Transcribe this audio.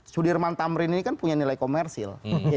sudirman tamrin ini kan punya nilai komersil